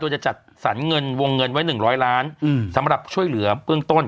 โดยจะจัดสรรเงินวงเงินไว้๑๐๐ล้านสำหรับช่วยเหลือเบื้องต้น